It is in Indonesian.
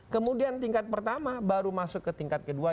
kemudian tingkat pertama baru masuk ke tingkat kedua